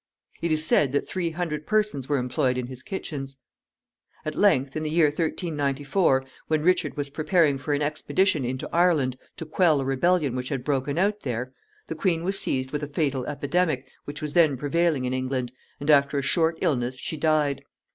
It is said that three hundred persons were employed in his kitchens. At length, in the year 1394, when Richard was preparing for an expedition into Ireland to quell a rebellion which had broken out there, the queen was seized with a fatal epidemic which was then prevailing in England, and after a short illness she died.